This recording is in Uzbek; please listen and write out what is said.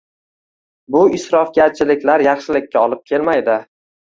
Bu isrofgarchiliklar yaxshilikka olib kelmaydi